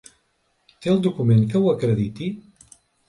Té el document que ho acrediti?